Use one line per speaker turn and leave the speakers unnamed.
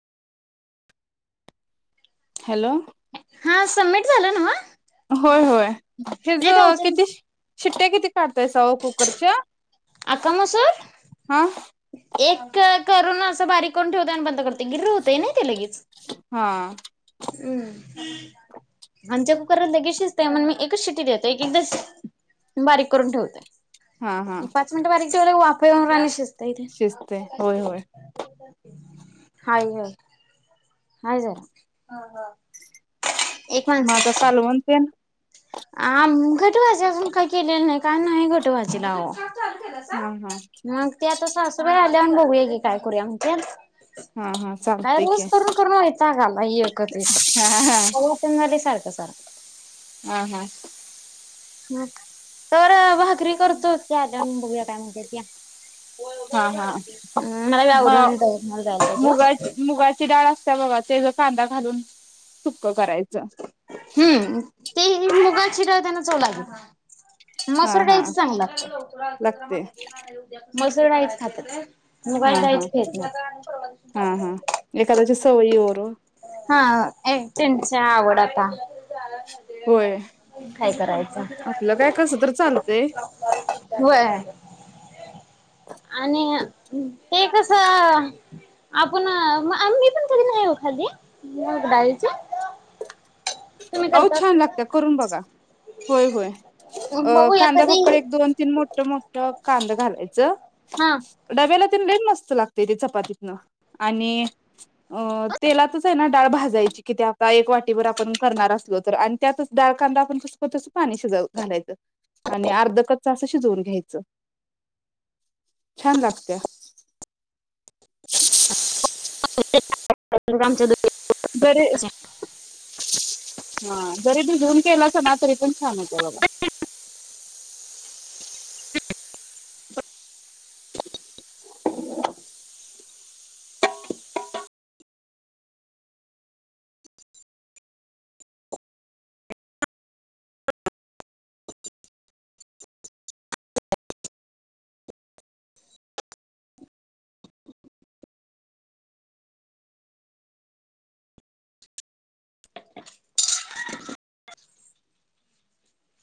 Hello
हा submit झालं नव्ह
होय होय हे ज
नाही तर
किती
अचानक
शिट्ट्या किती काढू ते सव कुकरच्या
आखां मसूर
हा
एक करून असं बारीक करुण ठेवता आणि बंद करतो. गिर्रं होते ना ते लगेच
हा
हम्म आमच्या कुकरन लगेच शिजतोय मण मी एकच शिटी देतो एक एकदा बारीक करून ठेवतोय
हा हा
पाच मिनट बारीक तेवढ वाफेवर शिज
शिजतय होय होय
हाय व्ह् हाय जरा एक
माझा
माणसाची.
कालवण सेम
आ घटभाजी अजून काही केलेलं नाही का नाही घटभाजीला आवो चालु केलसा,
हा हा
मग ते आता सासून आल्यावर बघूया की काय करूया म्हणत्या
हा हा
काय
चालतय की
रोज करून करून वैतागआला एकच एकच
हा हा
खाऊ वाटणा सारखं
हा हा
तर भाकरी करतो त्यान बघूया काय म्हणतात ते
हा हा म
दवाखान्याला जायला पाहिजे ओ.
मुगाची मुगाची डाळ असते बघा ते ज कांदा घालून सुप अ करायचं
हे हे मुगाची डाळयना त्यांना चव लागेल
हा
मसूर
हा
डाळीच चांगल लागतंय.
लागतय
मसूर डाळी च खातात.
हा हा हा हा एखाद्याच्या सवयीवर ओ
चेंज त्या आवड आता
होय
काय करायचं?
[inaudible] आपलं काय कसं तर चालतय
व्हय. आणि ते कसं आपण आ मी पण कधी नाही वो खाल्ली मुग डाळीचं.
ओ छान लागतिया करून बघा. होय होय
बघू
कांदा
एखादी
बकळ एक, दोन, तीन मोठ-मोठ कांदं घालायचं
हा
डब्याला तेन लई मस्त लागतय ते चपातीतनं आणि अ तेलातच आहे ना डाळ भाजायची किती आपला एक वाटीवर आपण करणार असलो तर आणि त्यातच डाळ कांदा आपण कस करतो तस पाणी शिजत घालायचं आणि अर्ध कच्च अस शिजवून घ्यायचं [inaudible] छान लागतया. [inaudible]
[unintelligible] रामचंद्
जरी, जरी भिजवून केलासा ना तरी पण छान होतोय बघा.
[inaudible]